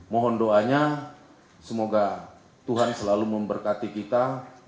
mohon doanya semoga tuhan selalu memberkati kita